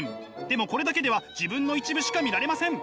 でもこれだけでは自分の一部しか見られません。